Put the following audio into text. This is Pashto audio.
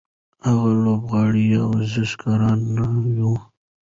هغه لوبغاړی یا ورزشکار نه و.